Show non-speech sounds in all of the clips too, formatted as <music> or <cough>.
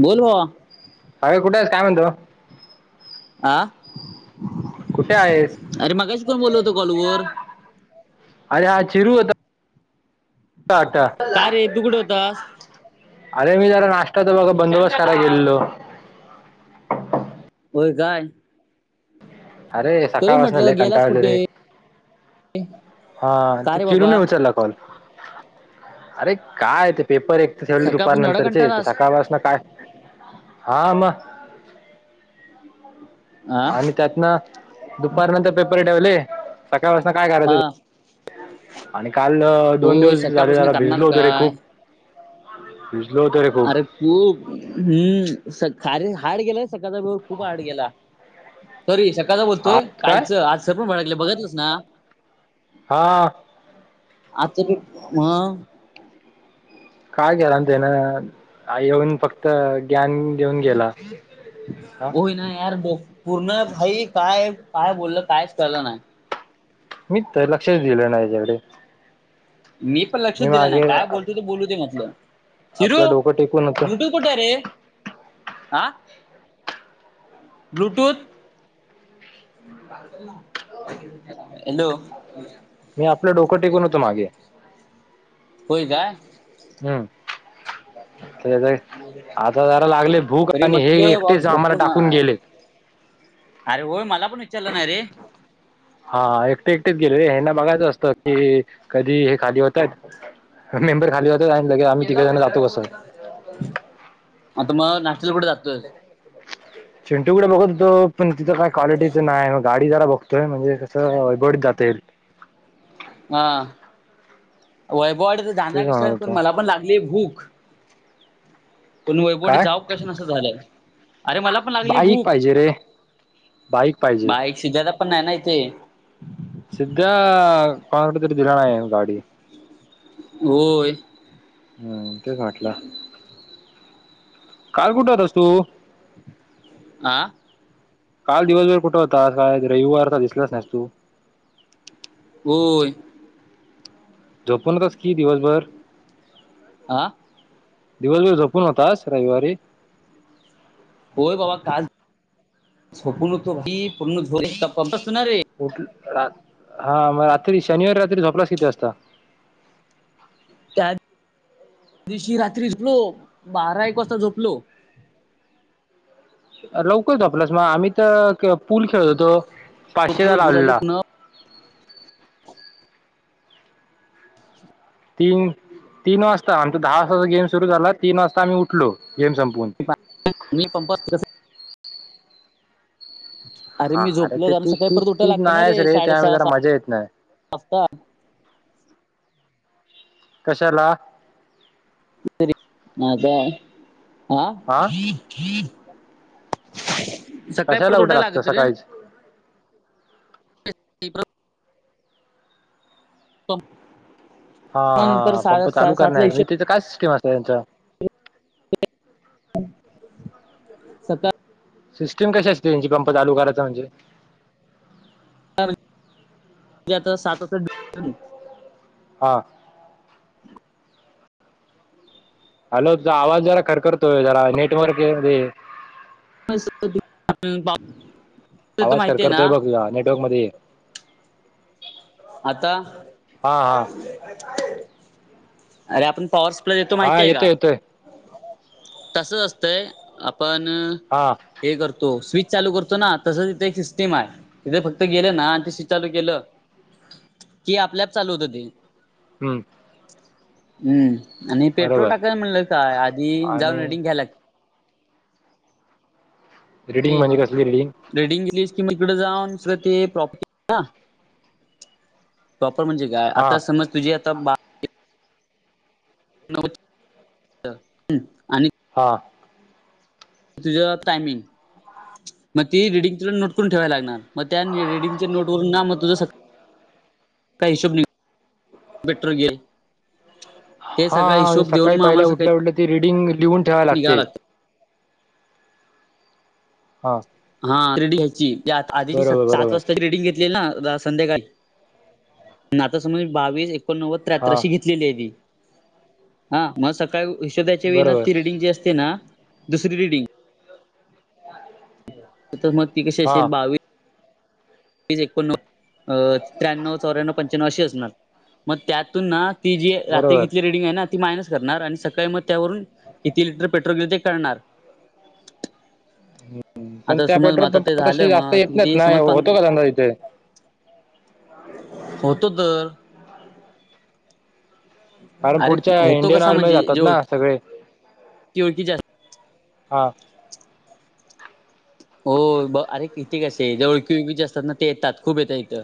बोल बा अर कुठे आहे काय म्हणतो. अ कुठे आहेस अरे मगाशी कोण बोल होत कॉलवर अरे हा चिरू होता. टाटा का रे तू कुठं होतास अरे मी जरा नाशष्ट्ताच बघा बंदोबस्त कला गेलो. होय काय? अरे तरी सका वासनल म्हटलं गेलास कंटावल कुठे ररी? हा का ते रे बाबा चिरूने उचलला कॉल अरे काय ते पेपर एक तर ठेवले दुपार सकाळपासून एवढा नंतरचे कंटाळास सकाळ वाासून काय? हा आम आ <inaudible> आणि त्यातनं दुपार नंतर पेपर ठेवले, सकाळ वाजता काय हा करायचं. आणि काल दोन होय दिवस झाले सकाळपासून झाला करणार भिजलो होतो रे काय खूप पिजलोत रे खूप अरे खूप हम्म स खारे हाड गेला सकाळचा वर खूप हाड गेला. सॉरी सकाचा बोलतोय आज काय कालच आज सरपण बाड गलं बघितलंस ना. हा. आमचे की म्ह. काय केेलान तेन, येऊन फक्त ज्ञान देऊन गेला. हा होई ना यार पूर्ण, काई काय, काय बोललं कायच कलं नाही. मी तर लक्षच दिलं नाही त्याकडे. मी पण लक्षच दिलं नाही काय बोलतो ते बोलूदे म्हटलं, चिरू, आपलं डोकं टेकून होतं ब्लूटूथ कुठ रे, हा, ब्लूटूथ. हॅलो. मी आपलं डोकं टिकून होतो मागे. होय काय. हम्म. लेट, आता जरा लागले भूक तरी आणि हे म्हटलं बा एकटेच आम्हाला झोपून टाकून हाय. गेले. अरे होय, मला पण विचारलं नाही रे. हा एकटे एकटेच गेले रे हेना बघायचं असतं की, कधी हे खाली होतायत. <unintelligible> आता मग, नाश्त्याला कुठे जातोय. चिंटूकड बघत होतो, पण तिथं काय क्वालिटीचं नाय मग गाडी जरा बघतो. तय म्हणजे कसं गोड खातेल. हा, वैभववाडीत जाणार तेच म्हणत कसं पण होतो मला पण लागलीये भूक. पण वैभववाडीत काय जाऊ कसं नसं झालंय, अरे मला पण लागलीये बाईक भूक. पाहिजे रे बाईक पाहिजे. सिध्याला पण नाही ना इथे. सिध्या, <unintelligible> दाढी. होय. हम्, तेच वाटला. काल कुठे होतस तू. आ काल दिवसभर कुठे होतास, आज रविवार काय दिसलाच नाहीस तू. होय. झोपून होतास की दिवसभर. आं दिवसभर झोपून होतास, रविवारी. होय बाबा काल, झोपून होतो की, पूर्ण झोप, पाऊसात ना रे. <unintelligible> हा मग रात्री शनिवारी रात्री झोपलास किती वाजता. त्या दिवशी रात्री झोपलो, बारा एक वाजता झोपलो. लवकर झोपलास मग आम्ही तर, पूल खेळत होतो, पाचशेचा झोपलो झोप झाली लावलेला. पुन्हा तीन, तीन वाजता, आमचा दहा वाजताचा गेम सुरू झाला तीन वाजता आम्ही उठलो गेम संपवून. मी पंपात कसे हा अरे, ते, तू तू तू, नाय हाईस ना रे, त्यामुळं साडेसहा जरा सात मजा येत नाही. कशाला. माझा, हा. सकाळी कशाला परत उठाय उटाय लागतं लागत रे न. सकाळीच <unintelligible> तम. हा हा पंप चालू करणार आहेत मी हिशोब त्याच काय स्कीम अस त्यांच <unintelligible> सका सिस्टम कशी असते त्यांची पंप चालू करायचा म्हणजे <unintelligible> आता साता तरी हा. हॅलो, तुझा आवाज जरा खरखरतोय जरा नेटवर्के मध्ये ये. देतो आवाज माहितीये ना खरखरतोय बघ तुझा नेटवर्क मध्ये. आता <unintelligible> हा हा अरे आपण. पॉवर स्प्ले देतो हा माहिती आहे का येतोय येतोय तसच असतंय <unintelligible> आपण. हा <unintelligible> हे करतो स्विच चालू करतो ना तस तिथे एक सिस्टीम आहे तिथे फक्त गेलं ना आणि ते स्विच चालू केलं. कि आपल्याप चालू होत ते. हम्म. हम्म आणि पेट्रोल बरोबर टाकायला म्हणलं काय आधी जाऊन आणि रेडिंग घ्यायला लागत. रीडिंग लागते म्हणजे कसली रिडिंग. रेडिंग <unintelligible> कि इकड जाऊन ते प्रॉपर्टी. प्रॉपर म्हणजे काय हा आता समज तुझी आता बा. नव. <unintelligible> हम् आणि हा. तुझं टायमिंग मग ती रिडिंग तुला नोट करून ठेवायला लागणार. मग त्या रेडिंगच्या नोट वून ना मग तुझं. काही हिशोब <unintelligible> नि <unintelligible> बेटर घे. हा हा म्हजे सकाळी पहिल्या उठल्या उठल्या ती रीडिंग लिहून ठेवाय निघावं लागते. लागतं. हा. हा रेडी घ्यायची आधीची बरोबर सात बरोबर वाजताची रीडिंग घेत. संध्याकाळी <inaudible> आता समज बावीस एकोणनव्वद हा त्र्याहतराशी घ. <unintelligible> हा मग सकाळी हशोध्याच्या वेळी ती बरोबर रीडंग जी असते ना. दुसरी रीडिंग. तर तर मग ती कशी हा असेल बावीस. बावीस <inaudible> एकोण त्र्याण्णव चौऱ्या्व पंच्याण्णव अशी असणार मग त्यातून ना. ती जी रात्री बरोबर घेतली. त मायनस करणार आणि सकाळी मग त्यावरून किती लिटर पेट्रोल गेले ते करणार. <inaudible> पण आता त्या समज पेट्रोल आता ते पंपा तशी झालं जास्त मग येत नाहीत किती ना समज होतो पण का धंदा इथे. <unintelligible> होतो तर. कारण अरे पुढच्या होतो इंडियन कसा आर्मी म्हणजे जातात जे ना ओळखी सगळे. <unintelligible> <inaudible> ओळखीचे हा. <inaudible> हो ब अरे कितीे कसे आहे जवळखीळ ज असतात ना ते येतात खूप येतात इथं.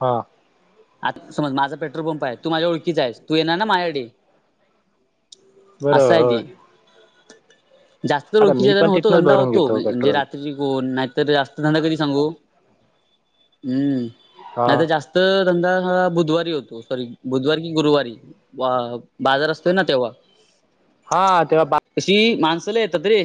<inaudible> हा. <inaudible> आता समज माझा पेट्रोल पंप आहे तू माझ्या ओळखीचा आहे तू येणार ना माझ्याडे. <inaudible> बरोबर अससाय ती होय <inaudible> जास्त तर आता मी ओळीचा जण पण होतो तिथनच धंदा भरून होतो घेतो म्हजे पेट्रोल रात्री कोन. तर जास्त धंदा कधी सांगू् <inaudible> हा नाही तर जास्त. धंदा हा बुधवारी होतो सॉरी बुधवारी की गुरुवारी. अ बाजार असतोय ना तेव्हा. हा तेव्हा बा. अशी माणसला लई येतात रे.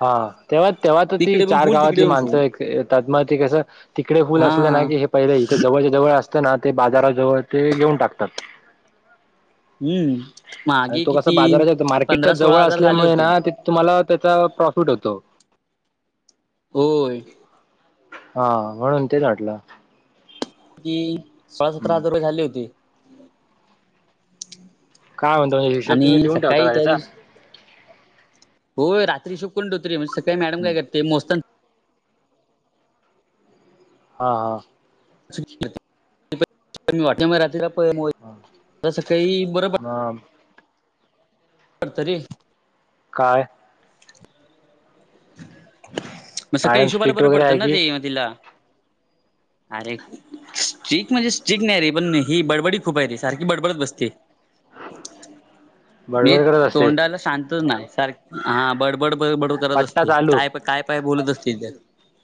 हा तेव्हा तेव्हा तर ती तिकडे पण चार फुल गावातली तिकडे पण फुल माणसं त्याात मती कसं. तिकडे फुल हा असले ना की हे पहिले इथे जवळच्या जवळ असते ना ते बाजाराजवळ ते घेऊन टाकतात. हम्म. <inaudible> आणि तो कसा किती बाजाराच्या मार्केटच्या पंधरा जवळ सोळा हजार झाले असल्यामुळे होते ना ते तुम्हाला त्याचा प्रॉफिट होतो. होय. हा म्हणून तेच वाटलं. की सोळा सतरा हजार रुपये झाली होती. काय म्हण तो हिशोब तुम्ही आणि लिहून ठेव सकाळी का त्याचा. हो रात शोक कोून दोते म्हणजे सकाळी मॅडम काय करते मोजताना. हा हा. वाटते म र्रीला <unintelligible> जसं काही बरं हा मग पडडत रे <unintelligible> काय? मग सकाळी मॅडम हिशोबाला स्ट्रिक्ट बरं वगैरे पडतं आहे ना की ते तिला <inaudible> अरे एक. स्ट्रिक म्हणजे स्ट्रिक नाही रे पण ही बडबडी खूप आहे रे सारखी बडबडत बसते. <inaudible> मी करत असते तोंडाला शांतच नाय सारख हा बडबड बडबडब करत पट्टा असते. चालू काय काय बोलत असते त्या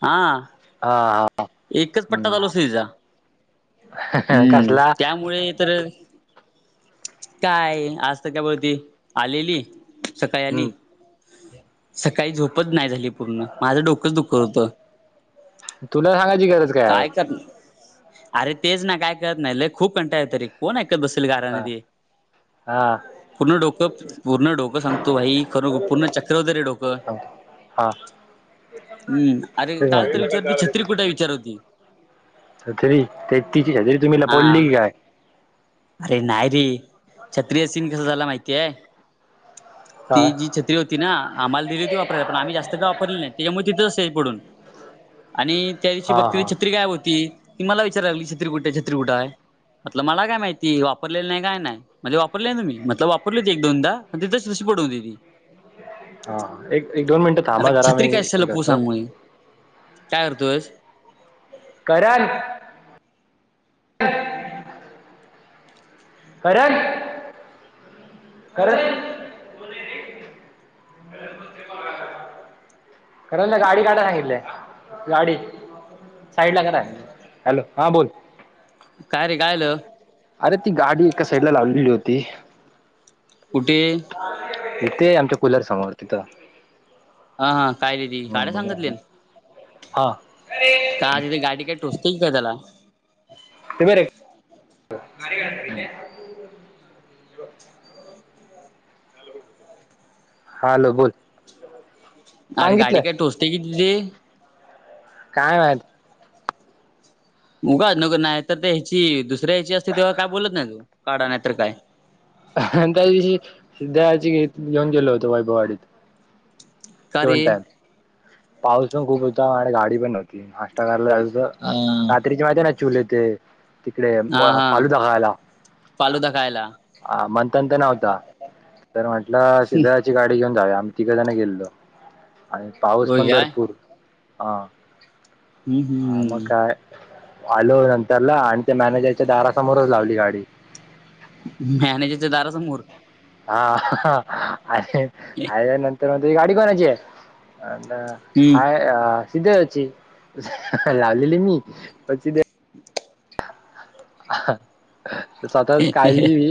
हा. हा हा. एकच पट्टा चालू असत तिचा हम्म कसला त्यामुळे तर काय आज तर का बती आलेली सकाळी आली. हम्म सकाळी झोपच नाही झाली पूर्ण माझं डोकंच दुख होत. तुला सांगायची गरज काय करत अरे तेच ना काय करत नाही लय खूप कंटाळा येतो रे. कोण ऐकत बसील हा गारान ते हा पूर्ण डोकं पूर्ण डोकं सांगतो भाई खर पूर्ण चक्र होत डोकं. हा हम्म अरे काल तर विचारते छत्री कुठा विचारती. छतरी ते तिची छत्री तुम्ही हा लपवली की काय? अरे नाही रे छत्रीय सीन कस झाला माहितीय हा ती जी त होती ना आम्हाला दिली होती वापरत पण आम्ही जास्त काय वापरली नाही त्याच्यामुळे तिथच असते पडून आणि त्या दिवशी हा बघते हा छत्री काय होती ती मला विचारागली की छत्री कुटे आहे छत्री कुठा आहे. मटल मला काय माहिती वापरलेली नाही काय नाही. मध्ये वापरलेय तु मी मटला वापर हो एक दोनदा पण तथच तशी पडऊ होते ती हा एक एक दोन मिनिटं आता थांबा जरा मी छत्री कशाला हे पू करतो. सांगू मी काय करतोस? करण. करण करण खरं ना गाडी काढाय सांगितलंय गाडी साईड ला करा हॅलो हा बोल. काय रे कायलं. अरे ती गाडी एका साईड ला लावलेली होती. कुठे इथे आमच्या कुल्यार समोर तिथं. अ हा काय र ती काड्या हम्म. सांगतले. हा. का तिथे गाडी काही टोचतेय काय त्याला ते बरंय <unintelligible> हालो बोल. अरे गाडी सांगितलं काय टोचते किती तथ ते काय मात उगाच नको नाही तर ह्याची दुसऱ्या ह्याची असते तेव्हा काय बोलत नाहीत काढा नाही तर काय? आणि त्या दिवशी द्याची घेऊन गेलो होतो वैभववाडीत का दोन रे टाइम पाऊस पण खूप होता आणि गाडी पण नव्हती नाष्टा कराला अ रात्रीची माहिती आहे ना चुले ते तिकडे हा हा फालूदा खायला. फालुदा खायला. हा मंथन तर नव्हता तर म्हंटलं शि गाडी घेऊन जावी आम्ही तिघ जण गेलेलो आणि पाऊस होय पण काय भरपूर हम्म हा म काय? आलो <unintelligible> मॅनेजच्या दारासमोर लावली गाडी मॅनेजरच्या दारासमोर. हा अले आल्यानंतर मग हि गाडी कोणाची आहे? हम्म अ <unintelligible> लावलेली मी <inaudible> हां स्वतःच काढली मी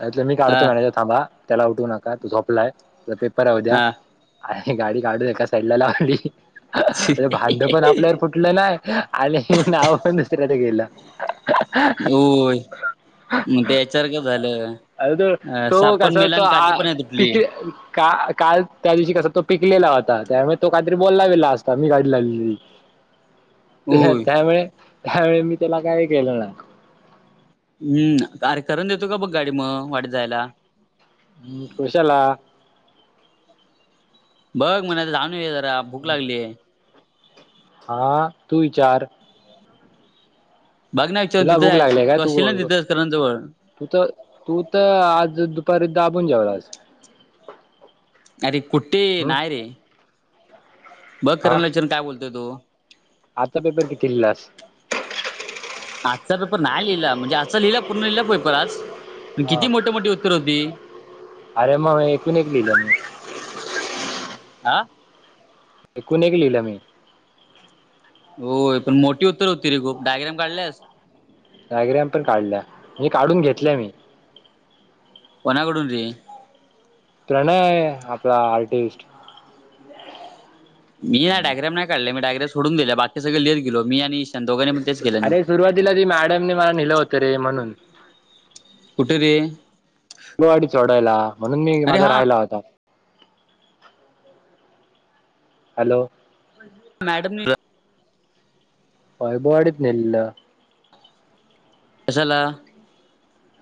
म्हटलं मी हा काढतो मॅनेजर. थांबा त्याला उठू नका तो झोपलाय त्याचा पेपर आहे उद्या. हा आणि गाडी काढून एका साईडला लावली. भांड पण आपल्यावर फुटलं नाही आणि नाव पण दुसऱ्याचं गेलं. होय. मग ते ह्याच्यासारखं झालं अरे तो अ तो साप पण कसा मेला तो आणि काठी आ पण नाय पिक तुठली. का काल त्या दिवशी कसा तो पिकलेला होता त्यामुळे तो काहीतरी बोलला बिल्ला असता मी गाडी लावलेली. होय त्यामुळे, त्यामुळे मी त्याला काय केलं नाय. हम्म, अरे करण देतो का बघ गाडी मग वाडीत जायला. हम्म, कशाला? बघ म्हणायच अनुया जरा भूक लागलीय. हा तू विचार. बघ ना विचारून तुला तिथं भूक आहे लागली काय तू असशील ना तिथंच करण जवळ. तू तर तू तर आज दुपारी दाबून जेवलास. अरे कुठे हम् नाय रे. बघ हा करण ला विचारुन काय बोलतोय तो? आजचा पेपर किती लिलास? आजचा पेपर नाही लिहिला म्हणजे आजचा लिहिला पूर्ण लिहिला पेपर आज. पण किती हा मोठ मोठी उत्तर होती. अरे मग एकूण एक लिहिलं मी. हां. एकूण एक लिहिलं मी. होय, पण मोठी उत्तर होती रे खूप डायग्राम काढल्यास? डायग्राम पण काढल्या, म्हणजे काढून घेतल्या मी. कोणाकडूनरे? प्रणय आपला आर्टिस्ट. मी नाही हम्म डायग्राम नाय काढले मी डायग्राम सोडून दिल्या बाकी सगळे लिहित गेलो मी आणि ईशान दोघानींपण तेच केलं. अरे सुरुवातीला ती मॅडमने मला नेलं होतं रे म्हणून. कुठे रे <unintelligible> चढायला म्हणून मी अरे माझा हा राहिला होता. हॅलो. मॅडमनी. बॉडीत नेलेलं. कशाला?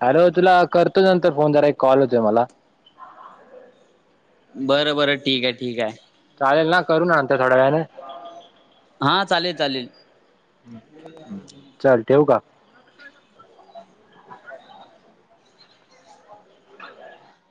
हॅलो तुला करतो नंतर फोन जरा एक कॉल येतोय मला. बरं बरं ठीक आहे ठीक आहे. चालेल ना करू नंतर थोड्या वेळाने? हा चालेल चालेल. चल ठेऊ का? <unintelligible> ह <unintelligible>